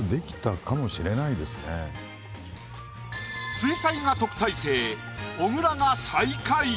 水彩画特待生小倉が最下位。